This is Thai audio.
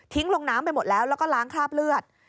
ลงน้ำไปหมดแล้วแล้วก็ล้างคราบเลือด